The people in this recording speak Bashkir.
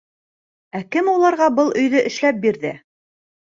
— Ә кем уларға был өйҙө эшләп бирҙе?